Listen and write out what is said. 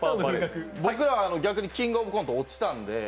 僕ら、逆に「キングオブコント」落ちたんで。